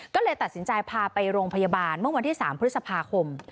ก็เลยตัดสินใจพาไปโรงพยาบาลเมื่อวันที่๓พฤษภาคม